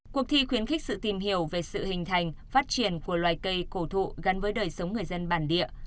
cuộc thi khuyến khích sự tìm hiểu về sự hình thành phát triển của loài cây cổ thụ gắn với đời sống người dân bản địa